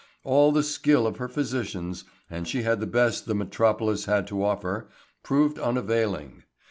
All the skill of her physicians and she had the best the metropolis had to offer proved unavailing.